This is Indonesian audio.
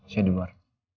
saya di luar